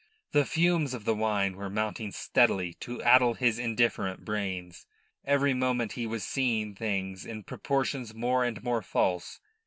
The fumes of the wine were mounting steadily to addle his indifferent brains. Every moment he was seeing things in proportions more and more false.